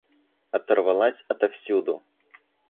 Оторвалась отовсюду!